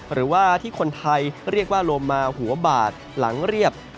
หรือว่าที่คนไทยเรียกว่าโลมาหัวบาดหลังเรียบ